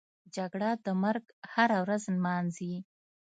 جګړه د مرګ هره ورځ نمانځي